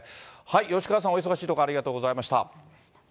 吉川さん、お忙しいところ、ありがとうございました。